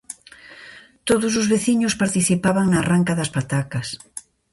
Todos os veciños participan na arranca das patacas.